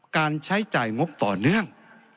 การใช้จ่ายงบต่อเนื่อง